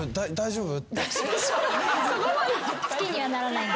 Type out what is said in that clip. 好きにはならないんだ。